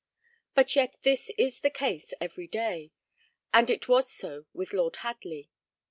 But yet this is the case every day, and it was so with Lord Hadley.